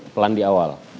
pelan di awal